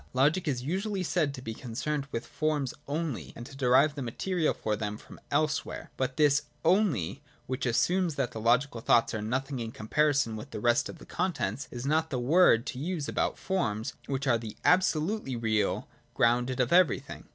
Logic is usually said to be concerned with forms only and to derive the material for them from elsewhere. But this ' only,' which assumes that the logical thoughts are nothing in comparison with the rest of the contents, is not the word to use about forms which are the absolutely real ground of everything.